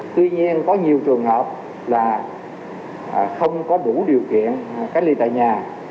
tuy nhiên có nhiều trường hợp là không có đủ điều kiện cách ly tại nhà